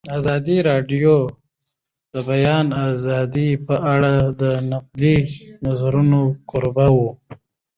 ازادي راډیو د د بیان آزادي په اړه د نقدي نظرونو کوربه وه.